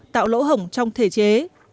tạo lỗ hổng trong thể chế